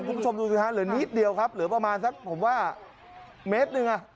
คุณผู้ชมดูสิฮะเหลือนิดเดียวครับเหลือประมาณสักผมว่าเมตรหนึ่งอ่ะ